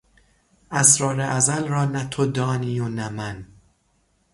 اسرار ازل را نه تو دانی و نه من